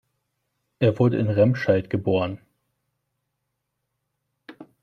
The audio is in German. Er wurde in Remscheid geboren